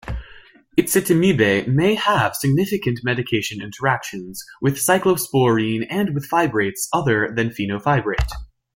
Ezetimibe may have significant medication interactions with cyclosporine and with fibrates other than fenofibrate.